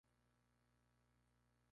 Se reconocen las siguientes subespecies.